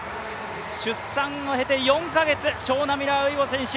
出産を経て４か月、ショウナ・ミラーウイボ選手。